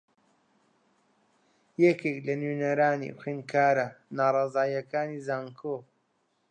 یەکێک لە نوێنەرانی خوێندکارە ناڕازییەکانی زانکۆ